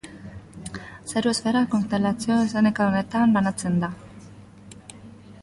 Zeru esfera konstelazio izenekoetan banatzen da.